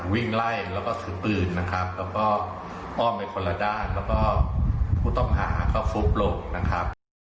วิ่งไล่แล้วก็ถือปืนนะครับแล้วก็อ้อมไปคนละด้านแล้วก็ผู้ต้องหาก็ฟุบลงนะครับ